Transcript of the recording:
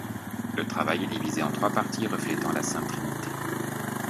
Le travail est divisé en trois parties, reflétant la sainte Trinité.